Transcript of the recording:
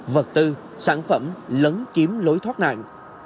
vật tư sản phẩm lấn kiếm lối thoát nạn